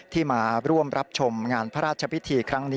ที่มาร่วมรับชมงานพระราชพิธีครั้งนี้